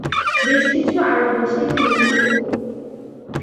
বেশ কিছু আরব দেশে এটি নিষিদ্ধ।